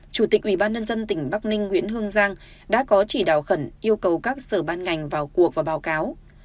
chủ tịch ủy ban nhân dân tỉnh bắc ninh nguyễn hương giang đã có chỉ đạo khẩn yêu cầu các sở ban ngành vào cuộc và báo cáo